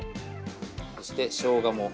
そしてしょうがも。